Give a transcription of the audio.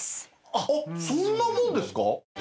あっそんなもんですか？